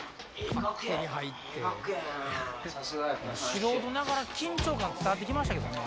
素人ながら緊張感伝わって来ましたけどね。